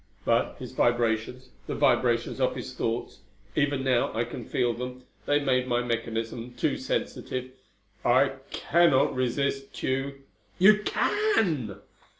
"But his vibrations the vibrations of his thoughts even now I can feel them. They made my mechanism too sensitive. I cannot resist Tugh." "You can!"